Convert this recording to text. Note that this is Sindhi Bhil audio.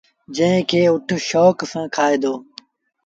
جݩهݩ کي اُٺ شوڪ سآݩ کآئي دو۔